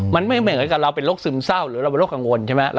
มันไม่เหมือนกับเราเป็นโรคซึมเศร้าหรือเราเป็นโรคกังวลใช่ไหม